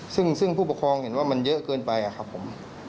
ซึ่งผู้ปกครองเห็นว่ามันเยอะเกินไปครับผม